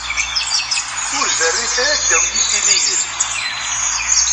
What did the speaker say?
Ur zerrit ara ddaw yisiliyen.